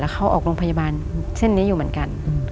เขาออกโรงพยาบาลเช่นนี้อยู่เหมือนกัน